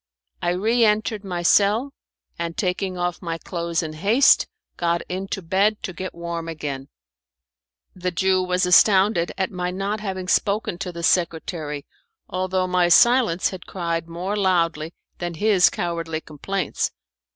I re entered my cell, and taking off my clothes in haste, got into bed to get warm again. The Jew was astonished at my not having spoken to the secretary, although my silence had cried more loudly than his cowardly complaints.